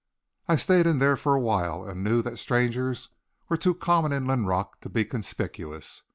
I stayed in there for a while, and knew that strangers were too common in Linrock to be conspicuous.